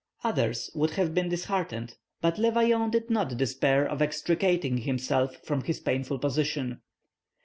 Others would have been disheartened, but Le Vaillant did not despair of extricating himself from his painful position.